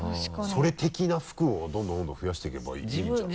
それ的な服をどんどん増やしていけばいいんじゃないの？